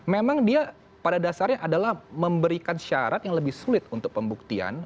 memang dia pada dasarnya adalah memberikan syarat yang lebih sulit untuk pembuktian